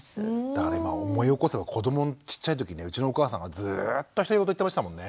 だから今思い起こせば子どもちっちゃい時うちのお母さんがずっと独り言言ってましたもんね。